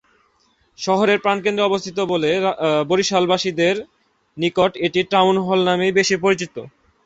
শহরের প্রাণকেন্দ্রে অবস্থিত বলে বরিশালবাসীদের নিকট এটি ‘টাউন হল’ নামেই বেশি পরিচিত।